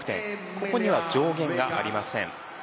ここには上限がありません。